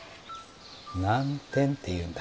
南天っていうんだ。